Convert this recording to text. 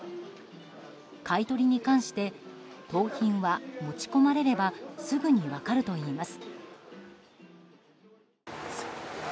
買い取りに関して盗品は持ち込まれればすぐに分かるといいます。